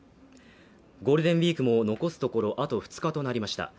ゴールデンウィークも残すところあと２日となりました。